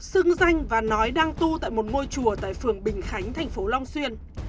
thích thiện đức có danh và nói đang tu tại một ngôi chùa tại phường bình khánh thành phố long xuyên